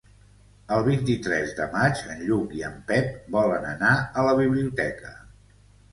El vint-i-tres de maig en Lluc i en Pep volen anar a la biblioteca.